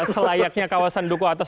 selayaknya kawasan dukuh atas